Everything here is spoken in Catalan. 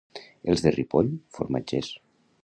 Els de Ripoll, formatgers.